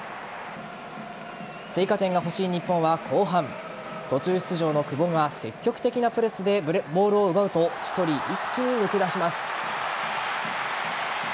追加点が欲しい日本は後半途中出場の久保が積極的なプレスでボールを奪うと１人一気に抜け出します。